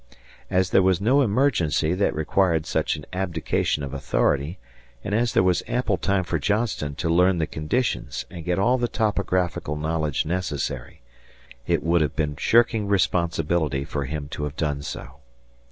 As there was no emergency that required such an abdication of authority, and as there was ample time for Johnston to learn the conditions and get all the topographical knowledge necessary, it would have been shirking responsibility for him to have done so.